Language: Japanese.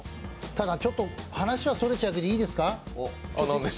ただ、ちょっと話はそれちゃうけどいいですか？